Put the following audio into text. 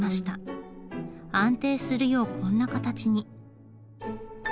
安定するようこんな形に。